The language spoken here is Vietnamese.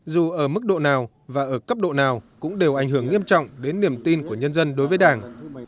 dù ở mức độ nào và ở cấp độ nào cũng đều ảnh hưởng nghiêm trọng đến niềm tin của nhân dân đối với đảng